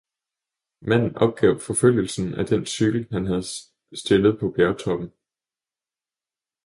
Manden opgav forfølgelsen af den cykel han havde stillet på bjergtoppen